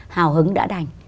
hào hứng đã đành